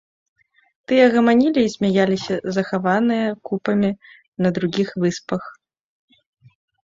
Тыя гаманілі і смяяліся, захаваныя купамі на другіх выспах.